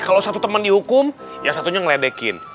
kalau satu teman dihukum ya satunya ngeledekin